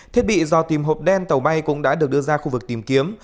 thiết bị dò tìm hộp đen tàu bay cũng đã được đưa ra khu vực tìm kiếm